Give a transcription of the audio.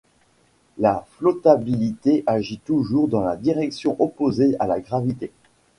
La flottabilité agit toujours dans la direction opposée à la gravité.